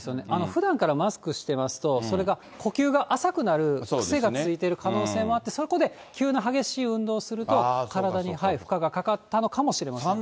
ふだんからマスクしてますと、それが呼吸が浅くなる癖がついてる可能性もあって、そこで急な激しい運動すると、体に負荷がかかったのかもしれません。